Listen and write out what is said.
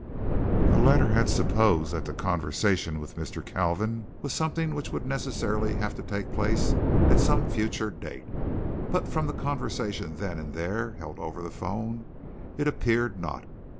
The latter had supposed that the conversation with Mr. Kalvin was something which would necessarily have to take place at some future date; but from the conversation then and there held over the phone it appeared not.